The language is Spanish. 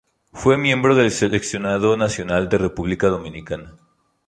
Fue miembro del seleccionado nacional de República Dominicana.